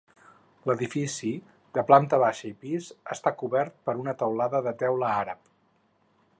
L’edifici, de planta baixa i pis, està cobert per una teulada de teula àrab.